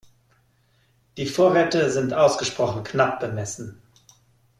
Die Vorräte sind ausgesprochen knapp bemessen.